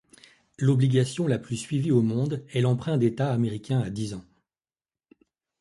L'obligation la plus suivie au monde est l'emprunt d'État américain à dix ans.